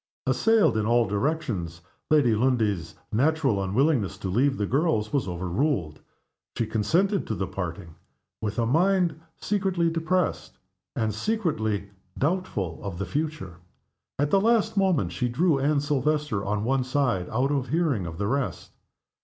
Assailed in all directions, Lady Lundie's natural unwillingness to leave the girls was overruled. She consented to the parting with a mind secretly depressed, and secretly doubtful of the future. At the last moment she drew Anne Silvester on one side, out of hearing of the rest.